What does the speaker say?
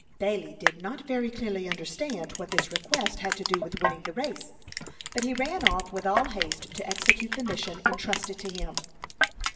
Bailey did not very clearly understand what this request had to do with winning the race, but he ran off with all haste to execute the mission intrusted to him.